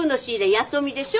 弥富でしょ？